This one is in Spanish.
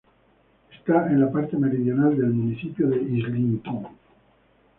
Está en la parte meridional del municipio de Islington.